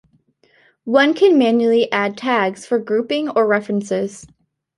One can manually add tags for grouping of references.